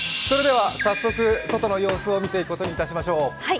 それでは早速、外の様子を見ていくことにしましょう。